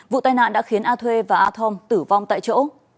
vụ tai nạn đã khiến a thuê và a thom tử vong tại chỗ